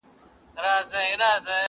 لا تر څو به دا سړې دا اوږدې شپې وي٫